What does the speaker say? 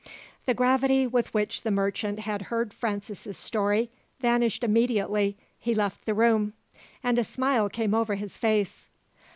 The gravity with which the merchant had heard Francis' story vanished immediately he left the room, and a smile came over his face.